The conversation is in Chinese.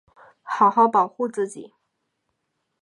好好保护自己